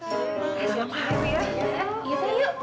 selamat hari ya